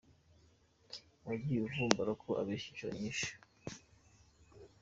Wagiye uvumbura ko abeshya inshuro nyinshi.